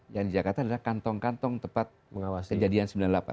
yang di jakarta adalah kantong kantong tepat kejadian sembilan puluh delapan